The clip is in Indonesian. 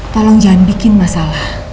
tolong jangan bikin masalah